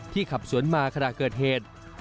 ขับสวนมาขณะเกิดเหตุ